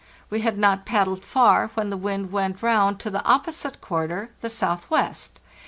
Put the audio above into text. We had not paddled far when the wind went round to the opposite quarter, the southwest.